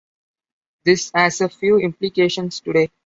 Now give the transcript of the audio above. This has a few implications today.